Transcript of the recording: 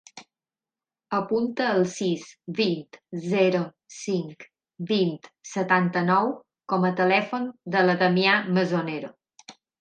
Apunta el sis, vint, zero, cinc, vint, setanta-nou com a telèfon de la Damià Mesonero.